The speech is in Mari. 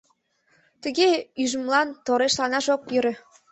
Тыге ӱжмылан торешланаш ок йӧрӧ.